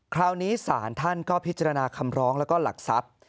คราวนี้ศาลท่านก็พิจารณาคำร้องแล้วก็หลักทรัพย์